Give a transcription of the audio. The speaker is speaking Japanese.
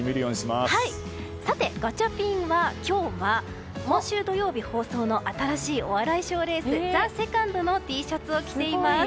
さて、ガチャピンは今日は、今週土曜日放送の新しいお笑い賞レース「ＴＨＥＳＥＣＯＮＤ」のＴシャツを着ています。